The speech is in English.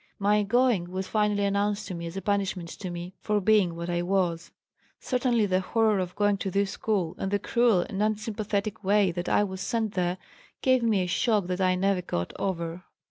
My going was finally announced to me as a punishment to me for being what I was. "Certainly, the horror of going to this school and the cruel and unsympathetic way that I was sent there gave me a shock that I never got over.